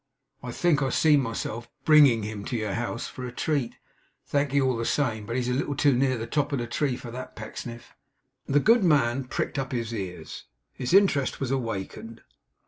'I think I see myself "bringing" him to your house, for a treat! Thank'ee all the same; but he's a little too near the top of the tree for that, Pecksniff.' The good man pricked up his ears; his interest was awakened.